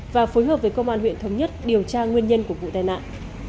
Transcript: và phối hợp với công an huyện thống nhất điều tra nguyên nhân của vụ tai nạn